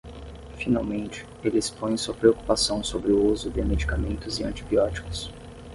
Finalmente, ele expõe sua preocupação sobre o uso de medicamentos e antibióticos.